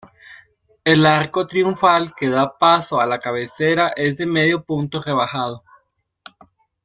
El arco triunfal que da paso a la cabecera es de medio punto rebajado.